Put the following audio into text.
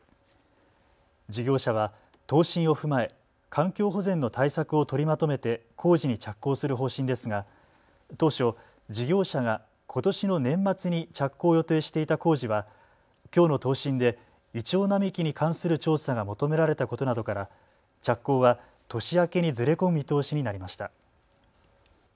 事業者は答申を踏まえ環境保全の対策を取りまとめて工事に着工する方針ですが当初、事業者がことしの年末に着工を予定していた工事はきょうの答申でイチョウ並木に関する調査が求められたことなどから着工は年明けにずれ込む見通しになりました。